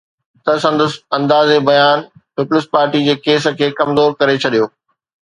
ته سندس انداز بيان پيپلز پارٽي جي ڪيس کي ڪمزور ڪري ڇڏيو